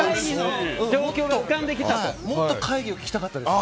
もっと会議を聞きたかったです。